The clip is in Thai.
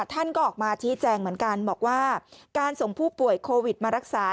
ท่านก็ออกมาชี้แจงเหมือนกันบอกว่าการส่งผู้ป่วยโควิดมารักษา